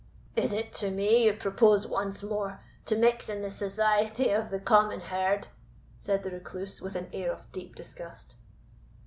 "Is it to me you propose once more to mix in the society of the common herd?" said the Recluse, with an air of deep disgust.